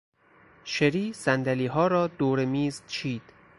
شری صندلیها را دور میز چید.